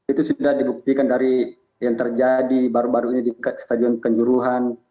itu sudah dibuktikan dari yang terjadi baru baru ini di stadion kanjuruhan